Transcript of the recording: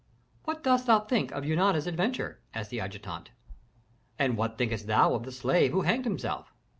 "What dost thou think of Eunana's adventure?" asked the adjutant. "And what thinkest thou of the slave who hanged himself?"